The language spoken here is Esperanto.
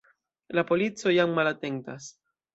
La polico jam malatentas.